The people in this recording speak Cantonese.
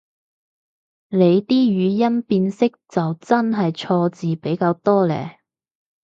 你啲語音辨識就真係錯字比較多嘞